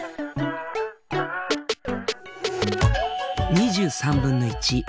２３分の１。